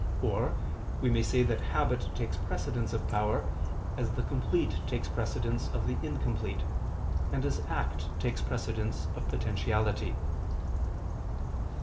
Or, we may say that habit takes precedence of power, as the complete takes precedence of the incomplete, and as act takes precedence of potentiality.